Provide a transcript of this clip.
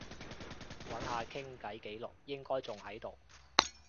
揾下傾偈記錄，應該仲喺度